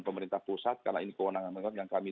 pemerintah pusat karena ini kewenangan yang kami